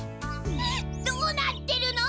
どうなってるの？